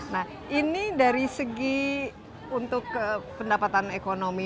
nah ini dari segi untuk pendapatan ekonomi